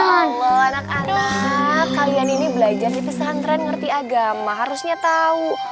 ya allah anak anak kalian ini belajar di pesta antren ngerti agama harusnya tau